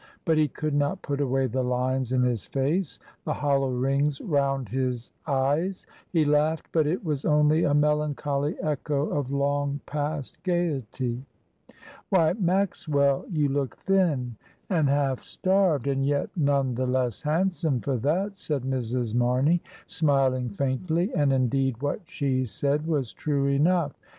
But he could not put away the lines in his face, the hollow rings round his eyes; he laughed, but it was only a melancholy echo of long past gaiety. "Why, Maxwell, ye look thin and half starved, Mrs. Dymond. //. 1 3 194 MRS. DYMOND. and yet none the less handsome for that," said Mrs. Mamey, smiling faintly, and indeed what she said was true enough.